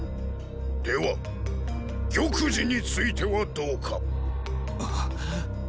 では玉璽についてはどうか。！